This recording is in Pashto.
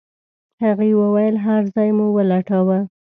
هغې وويل هر ځای مو ولټاوه.